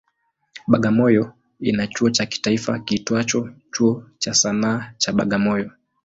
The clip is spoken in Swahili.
Bagamoyo ina chuo cha kitaifa kiitwacho Chuo cha Sanaa cha Bagamoyo.